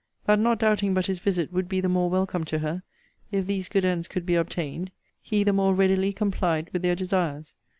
'That not doubting but his visit would be the more welcome to her, if these good ends could be obtained, he the more readily complied with their desires.